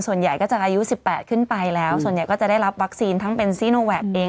ส่วนใหญ่ก็จะอายุ๑๘ขึ้นไปแล้วส่วนใหญ่ก็จะได้รับวัคซีนทั้งเป็นซีโนแวคเอง